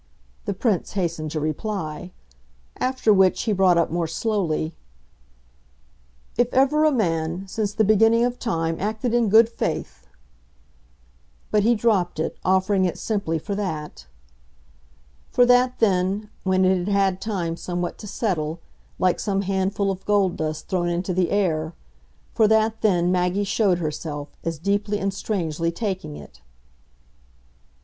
the Prince hastened to reply. After which he brought up more slowly: "If ever a man, since the beginning of time, acted in good faith!" But he dropped it, offering it simply for that. For that then, when it had had time somewhat to settle, like some handful of gold dust thrown into the air for that then Maggie showed herself, as deeply and strangely taking it.